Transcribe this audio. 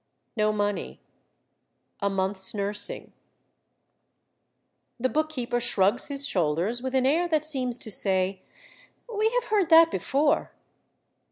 no money ... a month's nursing ..." A Book keeper, 205 The book keeper shrugs his shoulders with an air that seems to say, —" We have heard that before."